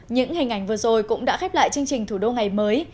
những hình ảnh vừa rồi cũng đã khép lại chương trình thủ đô ngày mới